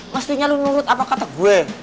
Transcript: mestinya lo nurut apa kata gue